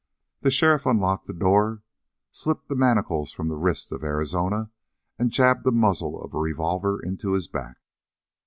The sheriff unlocked the door, slipped the manacles from the wrists of Arizona, and jabbed the muzzle of a revolver into his back!